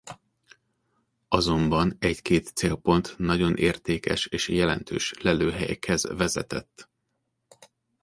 Azonban egy-két célpont nagyon értékes és jelentős lelőhelyekhez vezetett.